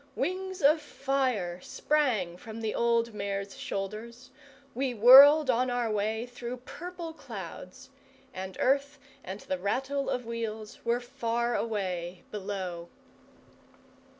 Wings of fire sprang from the old mare's shoulders. We whirled on our way through purple clouds, and earth and the rattle of wheels were far away below.